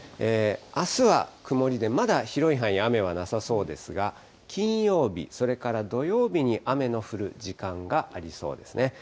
あすは曇りでまだ広い範囲に雨はなさそうですが、金曜日、それから土曜日に雨の降る時間がありそうですね。